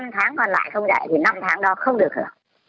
năm tháng còn lại không dạy thì năm tháng đó không được hưởng